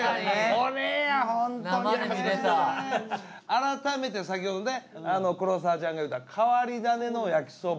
改めて先ほどね黒沢ちゃんが言うた変わり種の焼きそば。